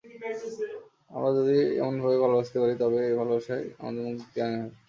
আমরা যদি এমনভাবে ভালবাসিতে পারি, তবে এই ভালবাসাই আমাদের মুক্তি আনিয়া দিবে।